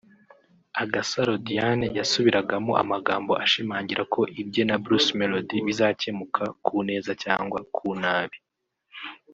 Agasaro Diane yasubiragamo amagambo ashimangira ko ibye na Bruce Melody bizakemuka ku neza cyangwa ku nabi